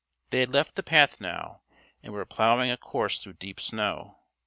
They had left the path now, and were plowing a course through deep snow.